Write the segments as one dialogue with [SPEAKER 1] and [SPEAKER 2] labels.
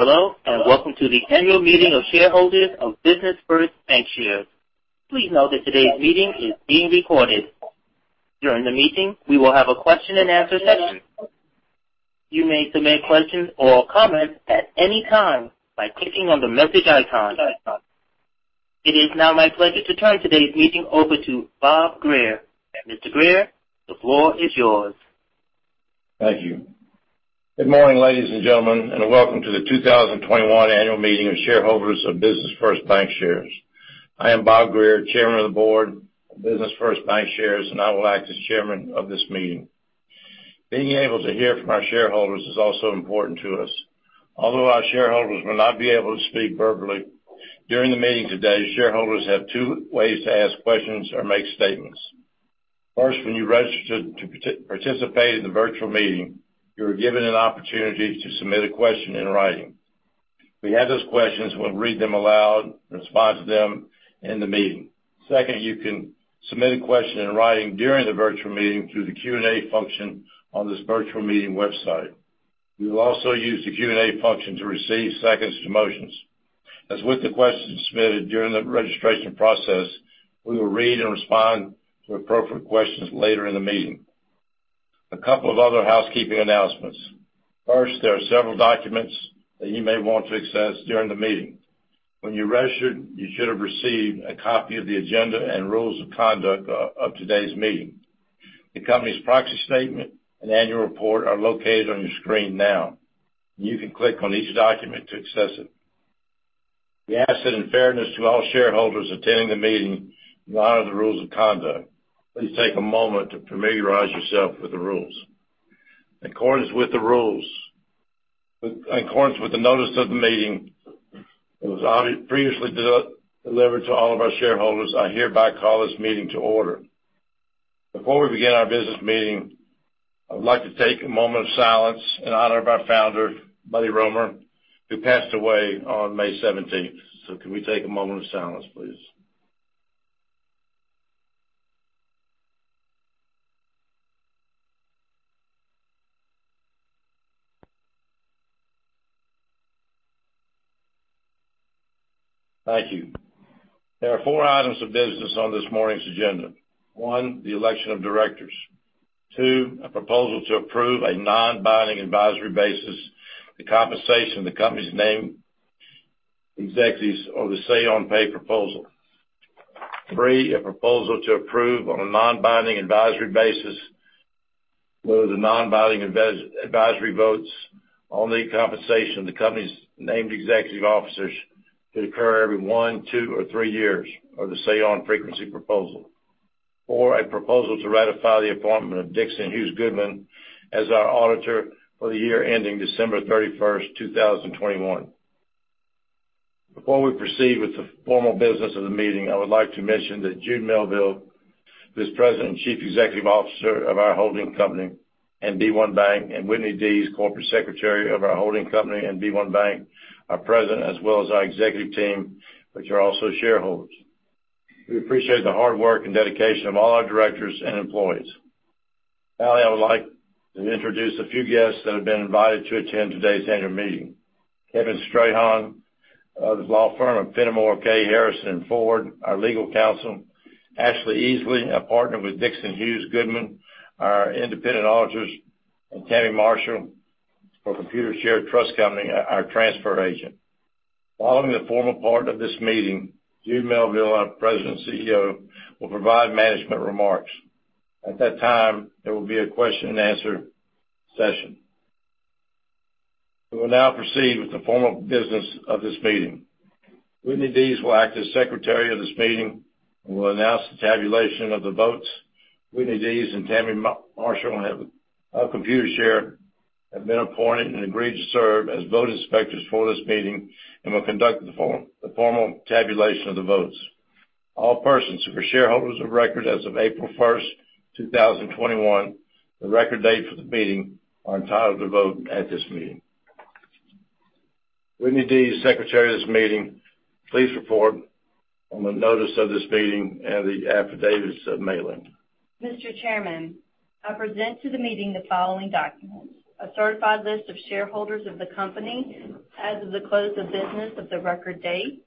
[SPEAKER 1] Hello, and welcome to the annual meeting of shareholders of Business First Bancshares. Please note that today's meeting is being recorded. During the meeting, we will have a question and answer session. You may submit questions or comments at any time by clicking on the message icon. It is now my pleasure to turn today's meeting over to Bob Greer. Mr. Greer, the floor is yours.
[SPEAKER 2] Thank you. Good morning, ladies and gentlemen, and welcome to the 2021 annual meeting of shareholders of Business First Bancshares. I am Bob Greer, chairman of the board of Business First Bancshares, and I will act as chairman of this meeting. Being able to hear from our shareholders is also important to us. Although our shareholders will not be able to speak verbally during the meeting today, shareholders have two ways to ask questions or make statements. First, when you registered to participate in the virtual meeting, you were given an opportunity to submit a question in writing. We have those questions. We'll read them aloud and respond to them in the meeting. Second, you can submit a question in writing during the virtual meeting through the Q&A function on this virtual meeting website. We will also use the Q&A function to receive seconds to motions. As with the questions submitted during the registration process, we will read and respond to appropriate questions later in the meeting. A couple of other housekeeping announcements. First, there are several documents that you may want to access during the meeting. When you registered, you should have received a copy of the agenda and rules of conduct of today's meeting. The company's proxy statement and annual report are located on your screen now. You can click on each document to access it. We ask that in fairness to all shareholders attending the meeting, you honor the rules of conduct. Please take a moment to familiarize yourself with the rules. In accordance with the notice of the meeting, it was previously delivered to all of our shareholders. I hereby call this meeting to order. Before we begin our business meeting, I'd like to take a moment of silence in honor of our founder, Buddy Roemer, who passed away on May 17th. Can we take a moment of silence, please? Thank you. There are four items of business on this morning's agenda. 1, the election of directors. 2, a proposal to approve a non-binding advisory basis, the compensation of the company's Named Executive Officers of the say-on-pay proposal. 3, a proposal to approve on a non-binding advisory basis, whether the non-binding advisory votes on the compensation of the company's Named Executive Officers to occur every 1, 2, or 3 years of the say on frequency proposal. 4, a proposal to ratify the appointment of Dixon Hughes Goodman as our auditor for the year ending December 31st, 2021. Before we proceed with the formal business of the meeting, I would like to mention that Jude Melville, who is President and Chief Executive Officer of our holding company and b1BANK, and Whitney Dees, Corporate Secretary of our holding company and b1BANK, are present as well as our executive team, which are also shareholders. We appreciate the hard work and dedication of all our directors and employees. Finally, I would like to introduce a few guests that have been invited to attend today's annual meeting. Kevin Strahan of the law firm of [Fenimore Kay Harrison, Ford], our legal counsel. Ashley Easley, a partner with Dixon Hughes Goodman, our independent auditors, and Tammie Marshall for Computershare Trust Company, our transfer agent. Following the formal part of this meeting, Jude Melville, our President CEO, will provide management remarks. At that time, there will be a question and answer session. We will now proceed with the formal business of this meeting. Whitney Dees will act as secretary of this meeting and will announce the tabulation of the votes. Whitney Dees and Tammie Marshall and [Heaven] of Computershare have been appointed and agreed to serve as vote inspectors for this meeting and will conduct the formal tabulation of the votes. All persons who are shareholders of record as of April 1st, 2021, the record date for the meeting, are entitled to vote at this meeting. Whitney Dees, Secretary of this meeting, please report on the notice of this meeting and the affidavits of mailing.
[SPEAKER 3] Mr. Chairman, I present to the meeting the following documents. A certified list of shareholders of the company as of the close of business of the record date,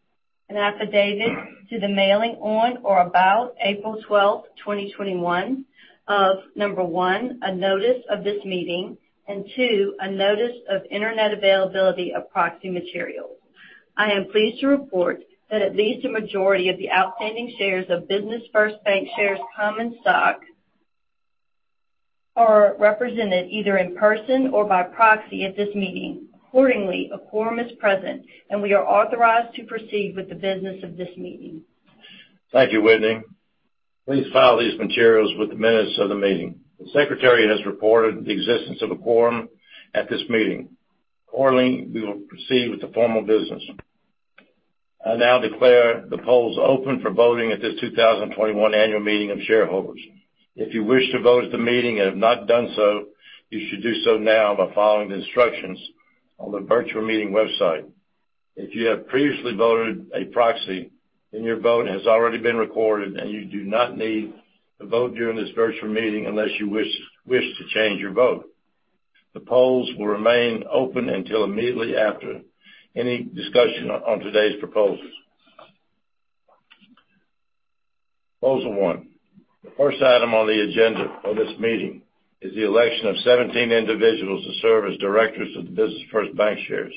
[SPEAKER 3] an affidavit to the mailing on or about April 12th, 2021 of, number 1, a notice of this meeting, and 2, a notice of internet availability of proxy materials. I am pleased to report that at least a majority of the outstanding shares of Business First Bancshares common stock are represented either in person or by proxy at this meeting. Accordingly, a quorum is present, and we are authorized to proceed with the business of this meeting.
[SPEAKER 2] Thank you, Whitney. Please file these materials with the minutes of the meeting. The secretary has reported the existence of a quorum at this meeting. Accordingly, we will proceed with the formal business. I now declare the polls open for voting at this 2021 annual meeting of shareholders. If you wish to vote at the meeting and have not done so, you should do so now by following the instructions on the virtual meeting website. If you have previously voted a proxy, then your vote has already been recorded, and you do not need to vote during this virtual meeting unless you wish to change your vote. The polls will remain open until immediately after any discussion on today's proposals. Proposal one. The first item on the agenda of this meeting is the election of 17 individuals to serve as directors of Business First Bancshares.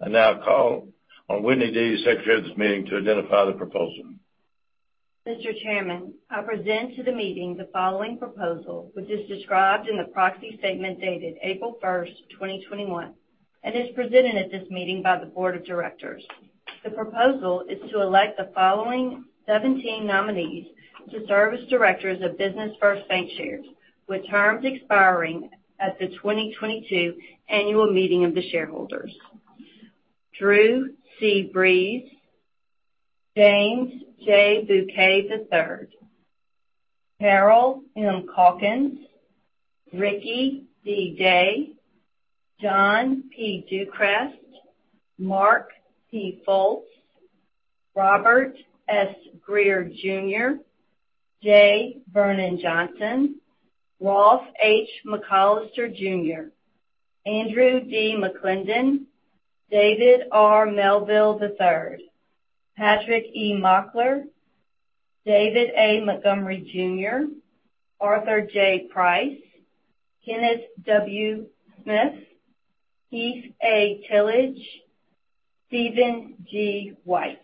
[SPEAKER 2] I now call on Whitney Dees, Secretary of this meeting, to identify the proposal.
[SPEAKER 3] Mr. Chairman, I present to the meeting the following proposal, which is described in the proxy statement dated April 1st, 2021, and is presented at this meeting by the board of directors. The proposal is to elect the following 17 nominees to serve as directors of Business First Bancshares, with terms expiring at the 2022 annual meeting of the shareholders. Drew C. Breaux, James J. Buquet III, Merrill M. Calkins, Ricky D. Day, John P. Ducrest, Mark C. Fults, Robert S. Greer, Jr., J. Vernon Johnson, Rolfe H. McCollister, Jr., Andrew D. McClendon, David R. Melville III, Patrick E. Mockler, David A. Montgomery Jr., Arthur J. Price, Kenneth W. Smith, Keith A. Tillage, Steven G. White.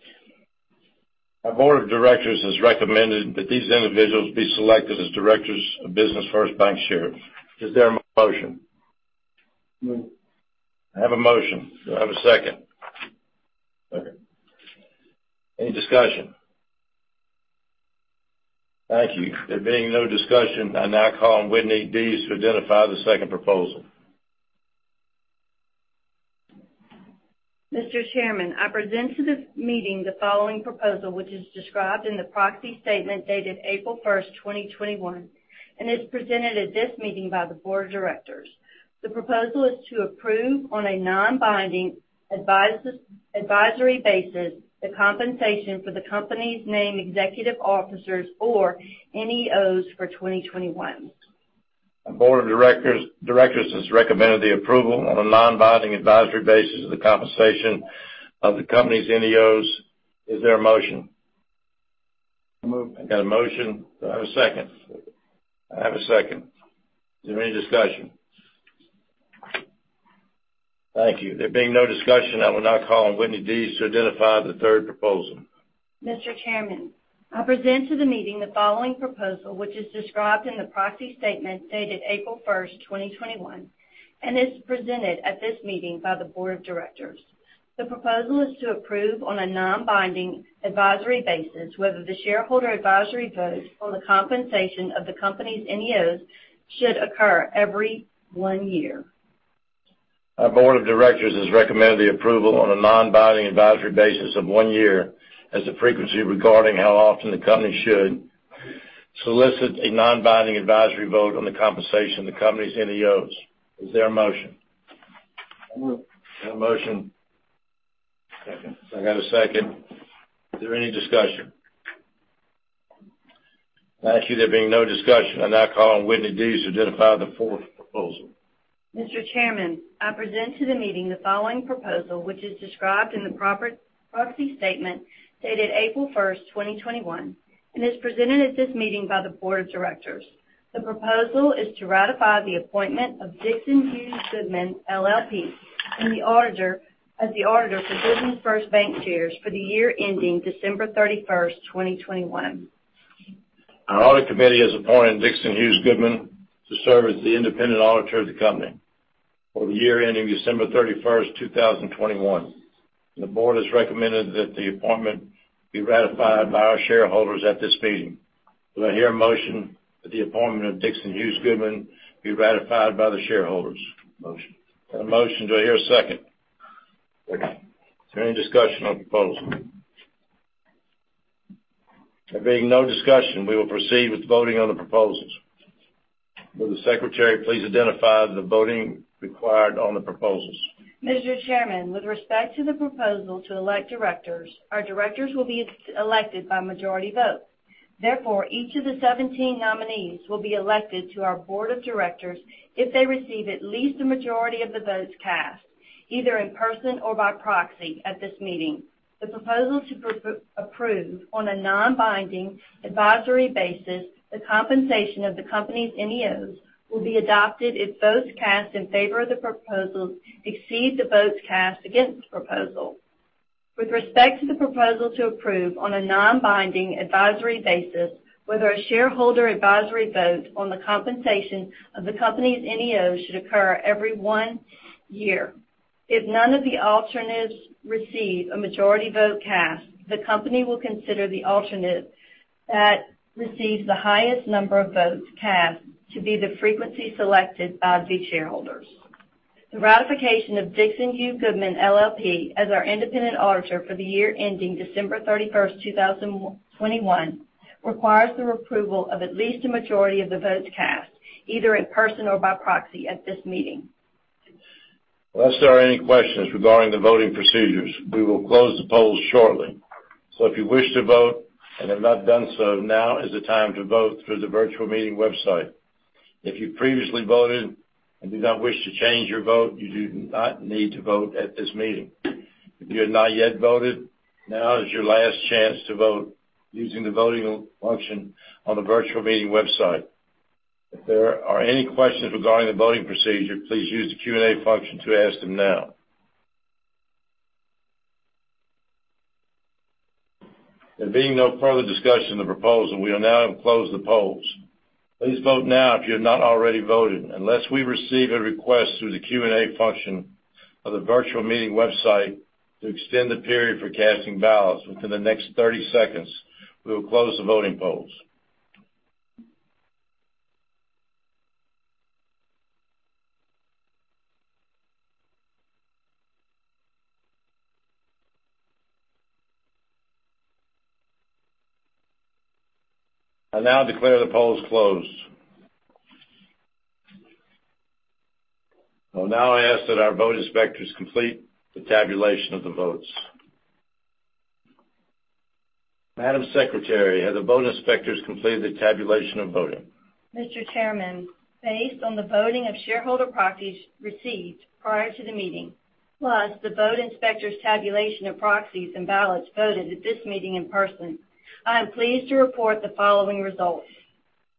[SPEAKER 2] There being no discussion, I will now call on Whitney Dees to identify the third proposal.
[SPEAKER 3] Mr. Chairman, I present to the meeting the following proposal, which is described in the proxy statement dated April 1st, 2021, and is presented at this meeting by the board of directors. The proposal is to approve on a non-binding advisory basis whether the shareholder advisory vote on the compensation of the company's NEOs should occur every one year.
[SPEAKER 2] Our board of directors has recommended the approval on a non-binding advisory basis of one year as the frequency regarding how often the company should solicit a non-binding advisory vote on the compensation of the company's NEOs. Is there a motion? Move. I have a motion. I got a second. Is there any discussion? Thank you. There being no discussion, I now call on Whitney Dees to identify the fourth proposal.
[SPEAKER 3] Mr. Chairman, I present to the meeting the following proposal, which is described in the proxy statement dated April 1st, 2021, and is presented at this meeting by the board of directors. The proposal is to ratify the appointment of Dixon Hughes Goodman LLP as the auditor for Business First Bancshares for the year ending December 31st, 2021.
[SPEAKER 2] Our audit committee has appointed Dixon Hughes Goodman to serve as the independent auditor of the company for the year ending December 31st, 2021. The board has recommended that the appointment be ratified by our shareholders at this meeting. Do I hear a motion that the appointment of Dixon Hughes Goodman be ratified by the shareholders? Motion. I have a motion. Do I hear a second? Okay. Is there any discussion on the proposal? There being no discussion, we will proceed with voting on the proposals. Will the secretary please identify the voting required on the proposals?
[SPEAKER 3] Mr. Chairman, with respect to the proposal to elect directors, our directors will be elected by majority vote. Each of the 17 nominees will be elected to our board of directors if they receive at least a majority of the votes cast, either in person or by proxy at this meeting. The proposal to approve on a non-binding advisory basis the compensation of the company's NEOs will be adopted if votes cast in favor of the proposal exceed the votes cast against the proposal. With respect to the proposal to approve on a non-binding advisory basis whether a shareholder advisory vote on the compensation of the company's NEOs should occur every one year. If none of the alternatives receive a majority vote cast, the company will consider the alternative that receives the highest number of votes cast to be the frequency selected by the shareholders. The ratification of Dixon Hughes Goodman LLP as our independent auditor for the year ending December 31st, 2021 requires the approval of at least a majority of the votes cast either in person or by proxy at this meeting.
[SPEAKER 2] Unless there are any questions regarding the voting procedures, we will close the polls shortly. If you wish to vote and have not done so, now is the time to vote through the virtual meeting website. If you previously voted and do not wish to change your vote, you do not need to vote at this meeting. If you have not yet voted, now is your last chance to vote using the voting function on the virtual meeting website. If there are any questions regarding the voting procedure, please use the Q&A function to ask them now. There being no further discussion of the proposal, we will now close the polls. Please vote now if you've not already voted. Unless we receive a request through the Q&A function of the virtual meeting website to extend the period for casting ballots within the next 30 seconds, we will close the voting polls. I now declare the polls closed. I will now ask that our vote inspectors complete the tabulation of the votes. Madam Secretary, have the vote inspectors completed the tabulation of voting?
[SPEAKER 3] Mr. Chairman, based on the voting of shareholder proxies received prior to the meeting, plus the vote inspectors' tabulation of proxies and ballots voted at this meeting in person, I am pleased to report the following results.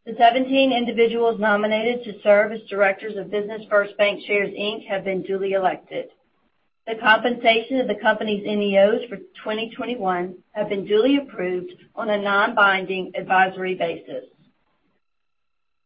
[SPEAKER 3] The 17 individuals nominated to serve as directors of Business First Bancshares, Inc. have been duly elected. The compensation of the company's NEOs for 2021 have been duly approved on a non-binding advisory basis.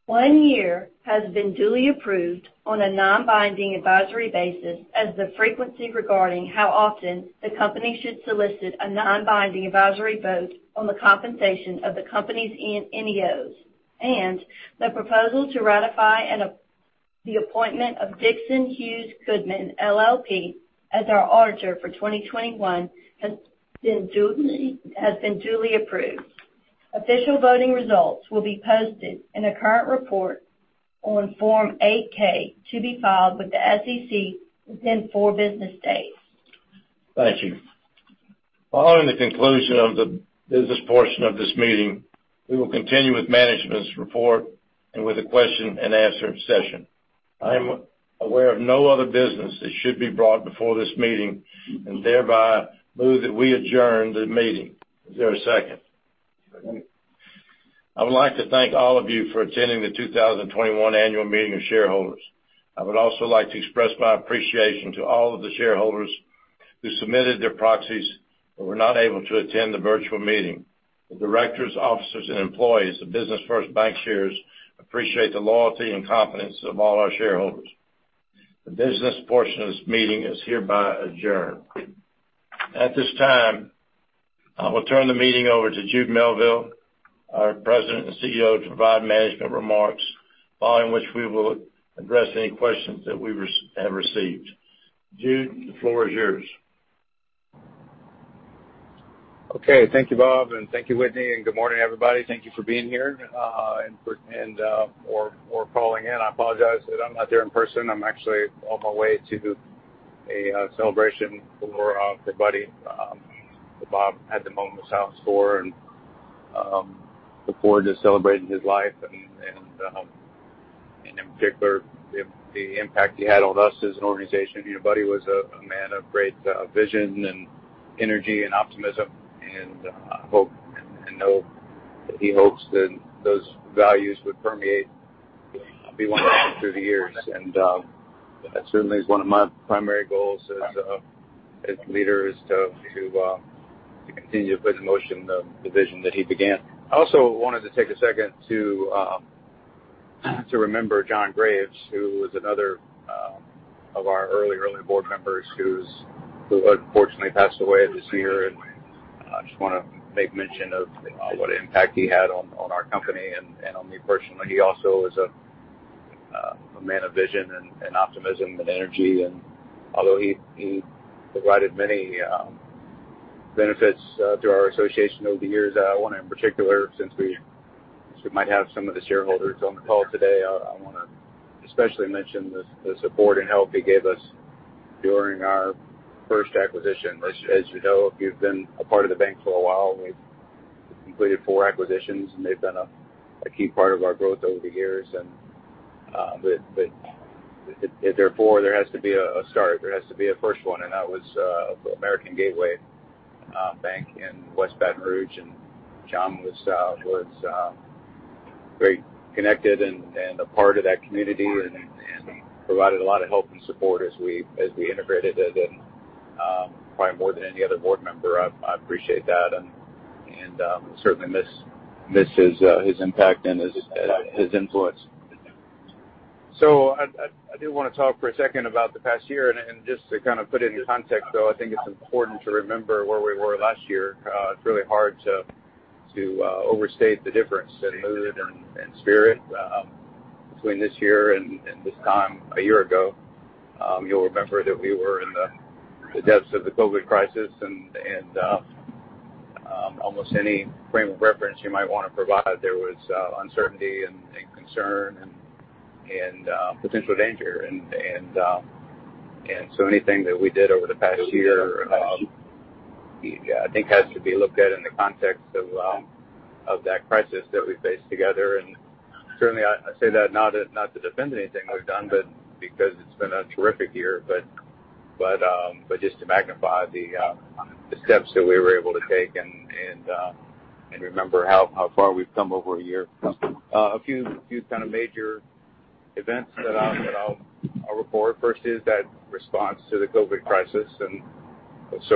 [SPEAKER 3] one year has been duly approved on a non-binding advisory basis as the frequency regarding how often the company should solicit a non-binding advisory vote on the compensation of the company's NEOs. The proposal to ratify the appointment of Dixon Hughes Goodman LLP as our auditor for 2021 has been duly approved. Official voting results will be posted in a current report on Form 8-K to be filed with the SEC within four business days.
[SPEAKER 2] Thank you. Following the conclusion of the business portion of this meeting, we will continue with management's report and with a question and answer session. I am aware of no other business that should be brought before this meeting, and thereby move that we adjourn the meeting. Is there a second?
[SPEAKER 3] Second.
[SPEAKER 2] I would like to thank all of you for attending the 2021 annual meeting of shareholders. I would also like to express my appreciation to all of the shareholders who submitted their proxies but were not able to attend the virtual meeting. The directors, officers, and employees of Business First Bancshares appreciate the loyalty and confidence of all our shareholders. The business portion of this meeting is hereby adjourned. At this time, I will turn the meeting over to Jude Melville, our President and CEO, to provide management remarks, following which we will address any questions that we have received. Jude, the floor is yours.
[SPEAKER 4] Okay. Thank you, Bob, and thank you, Whitney, and good morning, everybody. Thank you for being here or for calling in. I apologize that I'm not there in person. I'm actually on my way to a celebration for Buddy, who Bob had the moment's house for, and the board just celebrated his life and in particular, the impact he had on us as an organization. Buddy was a man of great vision and energy and optimism, and I hope that he hopes that those values would permeate [b1] through the years. That certainly is one of my primary goals as leader is to continue to put in motion the vision that he began. I also wanted to take a second to remember John Graves, who was another of our early board members who unfortunately passed away this year. I just want to make mention of what impact he had on our company and on me personally. He also was a man of vision and optimism and energy. Although he provided many benefits to our association over the years, one in particular, since we might have some of the shareholders on the call today, I want to especially mention the support and help he gave us during our first acquisition. As you know, if you've been a part of the bank for a while, we've completed four acquisitions, and they've been a key part of our growth over the years. If there are four, there has to be a start. There has to be a first one, and that was American Gateway Bank in West Baton Rouge. John was very connected and a part of that community and provided a lot of help and support as we integrated it, and probably more than any other board member. I appreciate that and certainly miss his impact and his influence. I do want to talk for one second about the past year and just to kind of put it in context, though, I think it's important to remember where we were last year. It's really hard to overstate the difference in mood and spirit between this year and this time a year ago. You'll remember that we were in the depths of the COVID crisis. Almost any frame of reference you might want to provide, there was uncertainty and concern and potential danger. Anything that we did over the past year, I think has to be looked at in the context of that crisis that we faced together. Certainly I say that not to defend anything we've done, but because it's been a terrific year. Just to magnify the steps that we were able to take and remember how far we've come over a year. A few kind of major events that I'll report first is that response to the COVID crisis.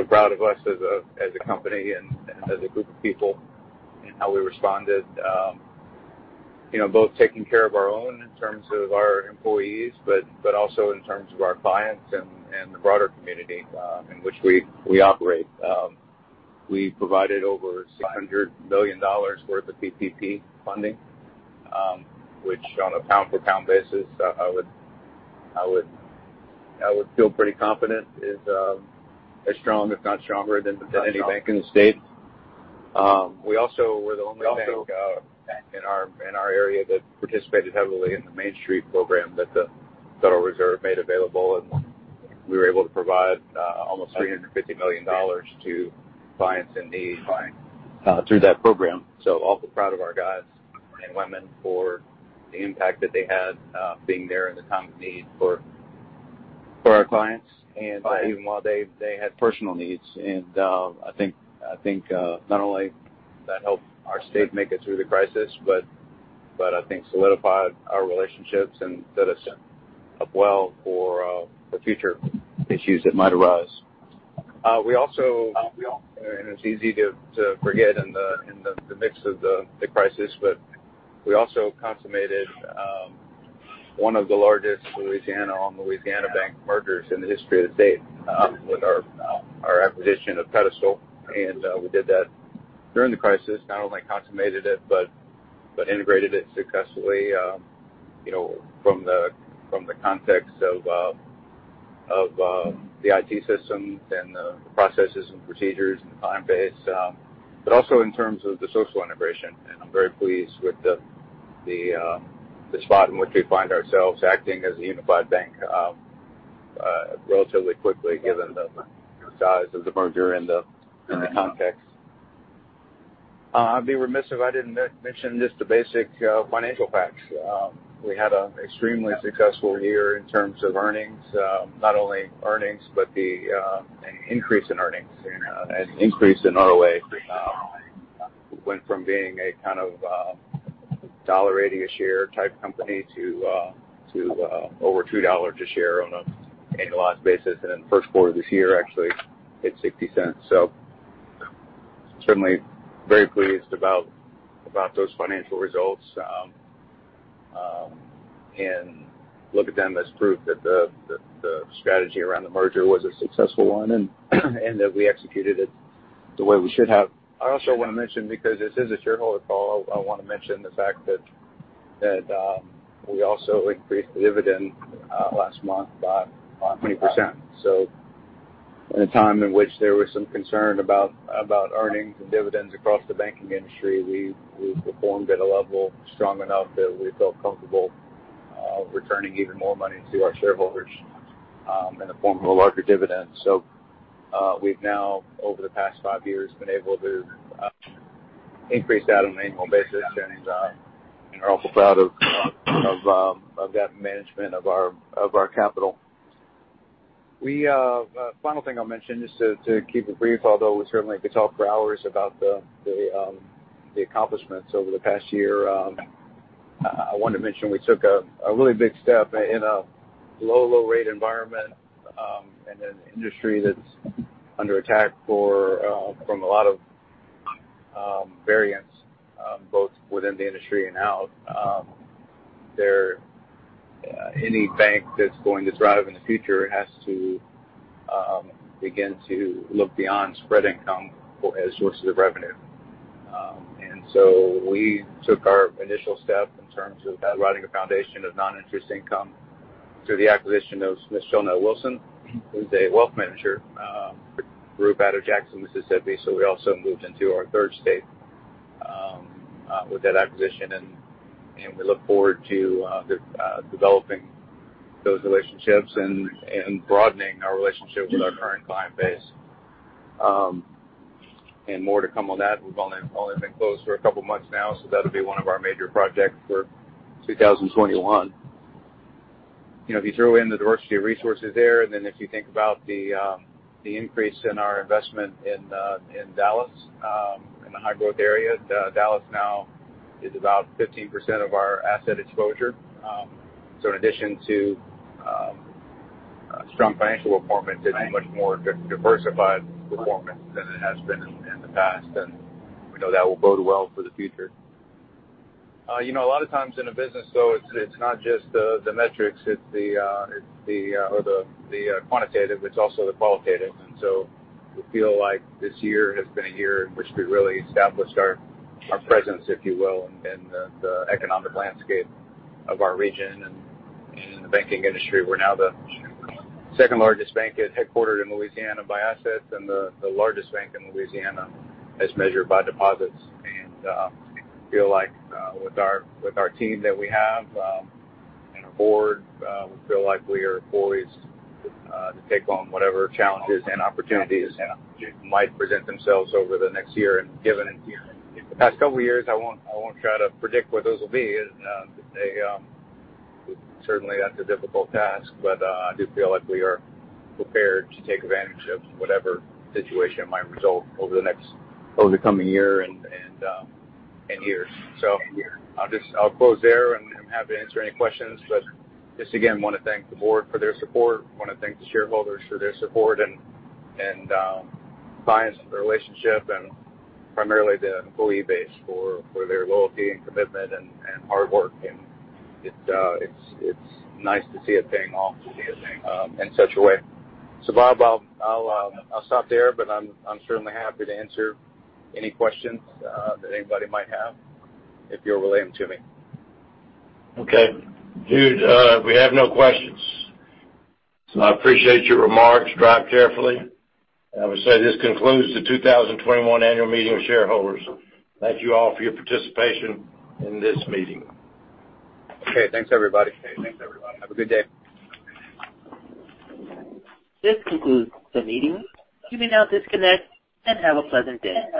[SPEAKER 4] Proud of us as a company and as a group of people in how we responded. Both taking care of our own in terms of our employees, but also in terms of our clients and the broader community in which we operate. We provided over $100 million worth of PPP funding, which on a pound for pound basis, I would feel pretty confident is as strong, if not stronger than potentially any bank in the state. We also were the only bank in our area that participated heavily in the Main Street program that the Federal Reserve made available. We were able to provide almost $350 million to clients in need through that program. Awfully proud of our guys and women for the impact that they had being there in the time of need for our clients. Even while they had personal needs. I think not only that helped our state make it through the crisis, but I think solidified our relationships and set us up well for the future issues that might arise. It's easy to forget in the mix of the crisis, but we also consummated one of the largest Louisiana on Louisiana bank mergers in the history of the state with our acquisition of Pedestal. We did that during the crisis, not only consummated it, but integrated it successfully from the context of the IT systems and the processes and procedures and client base, but also in terms of the social integration. I'm very pleased with the spot in which we find ourselves acting as a unified bank relatively quickly given the size of the merger in the context. I'd be remiss if I didn't mention just the basic financial facts. We had an extremely successful year in terms of earnings, not only earnings, but the increase in earnings. An increase in ROA. Went from being a kind of a $1.80 a share type company to over $2 a share on an annualized basis. In the first quarter this year actually hit $0.60. Certainly very pleased about those financial results and look at them as proof that the strategy around the merger was a successful one and that we executed it the way we should have. I also want to mention, because this is a shareholder call, I want to mention the fact that we also increased the dividend last month by 20%. In a time in which there was some concern about earnings and dividends across the banking industry, we performed at a level strong enough that we felt comfortable returning even more money to our shareholders in the form of a larger dividend. We've now over the past five years been able to increase that on an annual basis and are also proud of that management of our capital. Final thing I'll mention just to keep it brief, although we certainly could talk for hours about the accomplishments over the past year. I want to mention we took a really big step in a low rate environment, and in an industry that's under attack from a lot of variants, both within the industry and out. Any bank that's going to thrive in the future has to begin to look beyond spread income as sources of revenue. We took our initial step in terms of that, writing a foundation of non-interest income through the acquisition of Smith Shellnut Wilson, who's a wealth manager group out of Jackson, Mississippi. We also moved into our third state with that acquisition, and we look forward to developing those relationships and broadening our relationship with our current client base. More to come on that. We've only been closed for a couple of months now, so that'll be one of our major projects for 2021. If you throw in the [Dorothy] Resources there, then if you think about the increase in our investment in Dallas in a high growth area, Dallas now is about 15% of our asset exposure. In addition to strong financial performance, it's a much more diversified performance than it has been in the past, and we know that will bode well for the future. A lot of times in a business, so it's not just the metrics, it's the quantitative, it's also the qualitative. We feel like this year has been a year in which we really established our presence, if you will, in the economic landscape of our region and in the banking industry. We're now the second largest bank headquartered in Louisiana by assets and the largest bank in Louisiana as measured by deposits. We feel like with our team that we have and our board, we feel like we are poised to take on whatever challenges and opportunities might present themselves over the next year and given the past couple of years. I won't try to predict what those will be. Certainly that's a difficult task, but I do feel like we are prepared to take advantage of whatever situation might result over the coming year and years. I'll close there and happy to answer any questions, but just again, want to thank the board for their support. Want to thank the shareholders for their support and clients for the relationship and primarily the employee base for their loyalty and commitment and hard work. It's nice to see it paying off in such a way. Bob, I'll stop there, but I'm certainly happy to answer any questions that anybody might have if you'll relay them to me.
[SPEAKER 2] Okay. Jude, we have no questions. I appreciate your remarks. Drive carefully. I would say this concludes the 2021 annual meeting of shareholders. Thank you all for your participation in this meeting.
[SPEAKER 4] Okay. Thanks everybody. Have a good day.
[SPEAKER 1] This concludes the meeting. You may now disconnect and have a pleasant day.